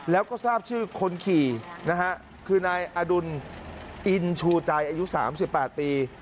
แล้วก็ทราบชื่อคนขี่นะฮะคือนายอดุลอินชูใจอายุ๓๘ปี